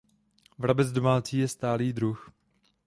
Vrabec domácí je stálý druh.